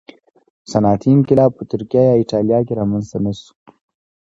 صنعتي انقلاب په ترکیه یا اېټالیا کې رامنځته نه شو